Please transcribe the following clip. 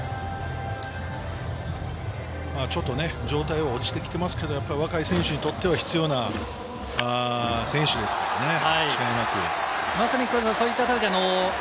ちょっと状態は落ちてきていますけれど、若い選手にとっては必要な選手ですからね、間違いなく。